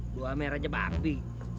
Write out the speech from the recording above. dua merek jebak di